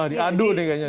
diadu deh kayaknya